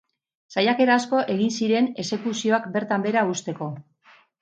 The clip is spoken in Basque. Saiakera asko egin ziren exekuzioak bertan behera uzteko.